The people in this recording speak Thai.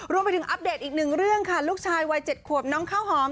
รวมไปถึงอัปเดตอีกหนึ่งเรื่องค่ะลูกชายวัย๗ขวบน้องข้าวหอม